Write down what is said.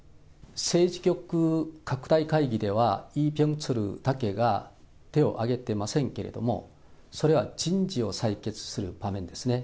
政治局拡大会議では、リ・ビョンチョルだけが手を挙げてませんけれども、それは人事を裁決する場面ですね。